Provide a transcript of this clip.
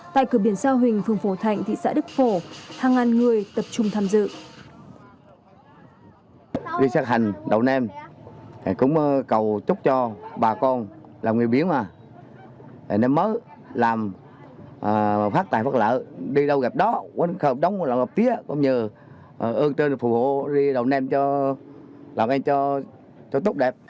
tại cửa biển sao hình phường phổ thạnh thị xã đức phổ hàng ngàn người tập trung tham dự